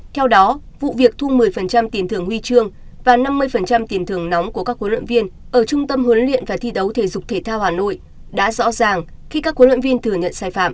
theo đó vụ việc thu một mươi tiền thưởng huy chương và năm mươi tiền thưởng nóng của các huấn luyện viên ở trung tâm huấn luyện và thi đấu thể dục thể thao hà nội đã rõ ràng khi các huấn luyện viên thừa nhận sai phạm